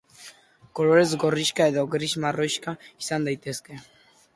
Kolorez gorrixka edo gris marroixka izan daiteke.